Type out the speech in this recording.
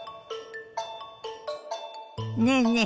ねえねえ